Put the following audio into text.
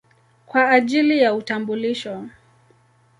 kwa ajili ya utambulisho.